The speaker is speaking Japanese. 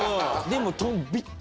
でも。